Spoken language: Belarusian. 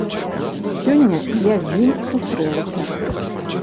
Сёння я з ім сустрэлася.